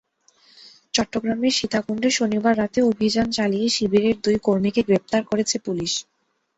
চট্টগ্রামের সীতাকুণ্ডে শনিবার রাতে অভিযান চালিয়ে শিবিরের দুই কর্মীকে গ্রেপ্তার করেছে পুলিশ।